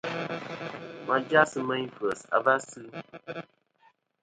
Ma jas meyn f̀yes a va sɨ.